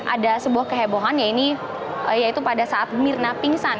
ada sebuah kehebohan yaitu pada saat mirna pingsan